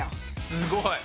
すごい。